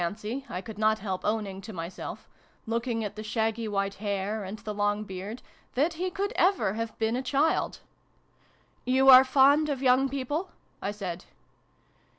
It did seem a rather unlikely fancy, I could not help owning to myself looking at the shaggy white hair, and the long beard that he could ever have been a child. " You are fond of young people ?" I said.